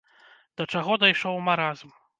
Да чаго дайшоў маразм!